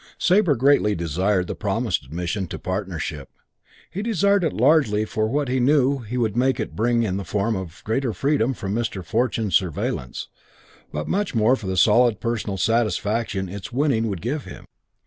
VI Sabre greatly desired the promised admission to partnership. He desired it largely for what he knew he would make it bring in the form of greater freedom from Mr. Fortune's surveillance, but much more for the solid personal satisfaction its winning would give him.